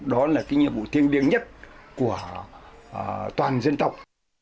đó là nhiệm vụ thiên liêng nhất của toàn dân tộc